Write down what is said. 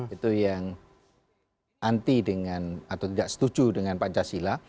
itu yang anti dengan atau tidak setuju dengan pancasila